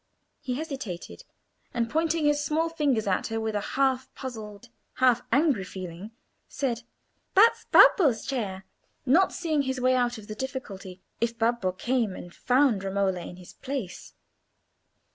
He hesitated: and, pointing his small fingers at her with a half puzzled, half angry feeling, said, "That's Babbo's chair," not seeing his way out of the difficulty if Babbo came and found Romola in his place.